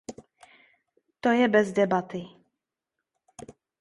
To je bez debaty.